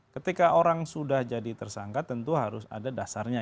ketika orang sudah jadi tersangka tentu harus ada dasarnya